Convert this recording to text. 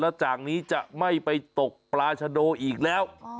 แล้วจากนี้จะไม่ไปตกปลาชะโดอีกแล้ว